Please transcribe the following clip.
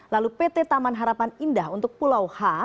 lalu pt taman harapan indah untuk pulau h